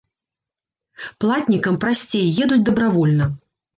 Платнікам прасцей, едуць дабравольна.